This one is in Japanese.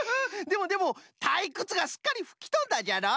でもでもたいくつがすっかりふきとんだじゃろ？